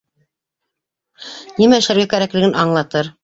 Нимә эшләргә кәрәклеген аңлатыр